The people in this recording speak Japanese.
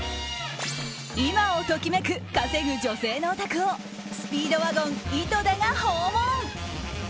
今を時めく稼ぐ女性のお宅をスピードワゴン井戸田が訪問。